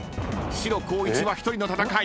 ［白光一は１人の戦い］